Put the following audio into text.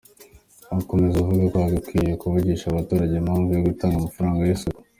Akomeza avuga ko hagakwiye kumvishwa abaturage impamvu yo gutanga amafaranga y’isuku.